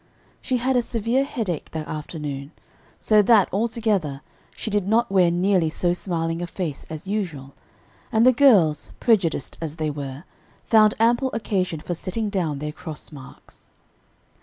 She had a severe headache that afternoon, so that, altogether, she did not wear nearly so smiling a face as usual; and the girls, prejudiced as they were, found ample occasion for setting down their cross marks.